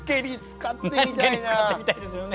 何かに使ってみたいですよね。